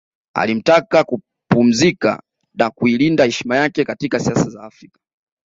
Alimtaka kupumzika na kuilinda heshima yake katika siasa za Afrika